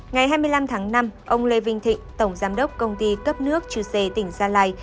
ngày hai mươi năm tháng năm ông lê vinh thịnh tổng giám đốc công ty cấp nước chư sê tỉnh gia lai